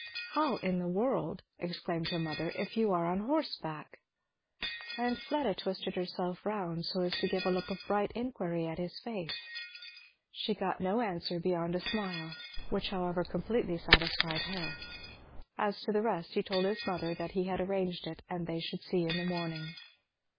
"How in the world," exclaimed his mother, "if you are on horseback?" And Fleda twisted herself round so as to give a look of bright inquiry at his face. She got no answer beyond a smile, which however completely satisfied her. As to the rest he told his mother that he had arranged it and they should see in the morning.